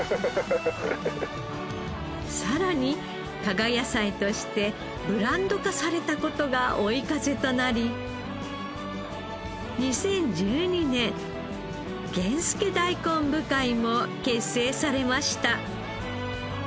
さらに加賀野菜としてブランド化された事が追い風となり２０１２年源助だいこん部会も結成されました。